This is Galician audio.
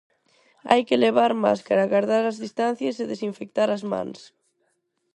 Hai que levar máscara, gardar as distancias e desinfectar as mans.